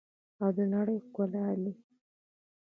او د نړۍ ښکلا دي.